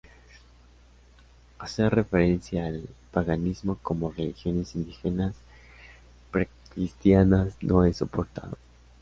Hacer referencia al paganismo como religiones indígenas pre-cristianas no es soportado.